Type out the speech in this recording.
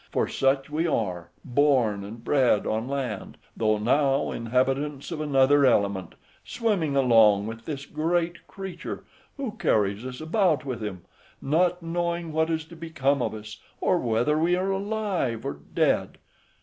for such we are, born and bred on land, though now inhabitants of another element; swimming along with this great creature, who carries us about with him, not knowing what is to become of us, or whether we are alive or dead."